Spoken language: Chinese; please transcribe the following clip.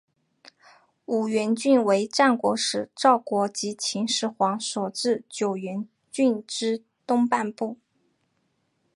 五原郡为战国时赵国及秦始皇所置九原郡之东半部。